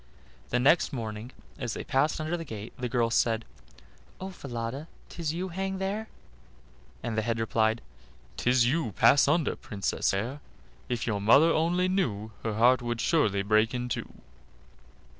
The next morning, as they passed under the gate, the girl said: "Oh! Falada, 'tis you hang there;" and the head replied: "'Tis you; pass under, Princess fair: If your mother only knew, Her heart would surely break in two."